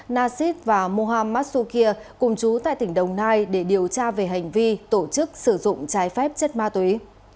nasid và mohamad sukir cùng chú tại tỉnh đồng nai để điều tra về hành vi tổ chức sử dụng trái phép chất ma túy